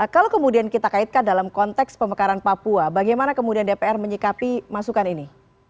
kalau kemudian kita kaitkan dalam konteks pemekaran papua bagaimana kemudian dpr menyikapi masukan ini